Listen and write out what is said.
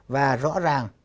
và rõ ràng